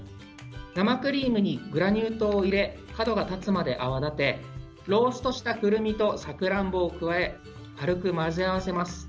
生クリームにグラニュー糖を入れ角が立つまで泡立てローストしたクルミとさくらんぼを加え軽く混ぜ合わせます。